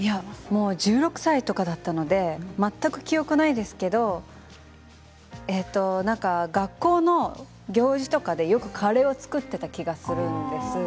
１６歳とかだったので全く記憶ないですけれどなんか学校の行事とかでよくカレーを作っていた気がするんです。